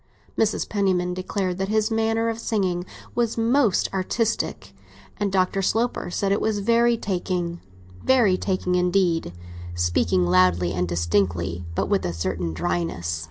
Mrs. Penniman declared that his manner of singing was "most artistic," and Dr. Sloper said it was "very taking—very taking indeed"; speaking loudly and distinctly, but with a certain dryness.